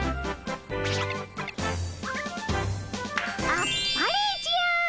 あっぱれじゃ。